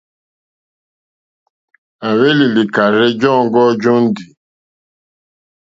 À hwélì lìkàrzɛ́ jɔǃ́ɔ́ŋɡɔ́ jóndì.